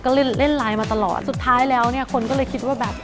ก็เล่นเล่นไลน์มาตลอดสุดท้ายแล้วเนี่ยคนก็เลยคิดว่าแบบ